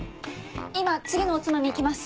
今次のおつまみ行きます。